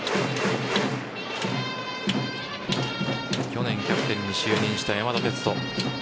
去年、キャプテンに就任した山田哲人。